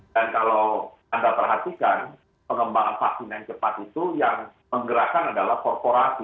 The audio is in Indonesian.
dan kalau anda perhatikan pengembangan vaksin yang cepat itu yang menggerakkan adalah korporasi